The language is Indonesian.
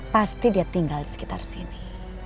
pasti dia tinggal di sekitar sini